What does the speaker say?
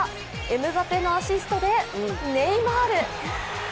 エムバペのアシストでネイマール。